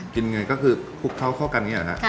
กินไงก็คือคุกเข้ากันอย่างนี้หรอครับ